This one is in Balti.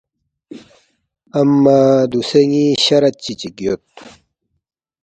امّہ دوسے ن٘ی شرط چِی چِک یود